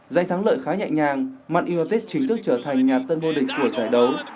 giành thắng lợi khá nhẹ nhàng man utd chính thức trở thành nhà tân vô địch của giải đấu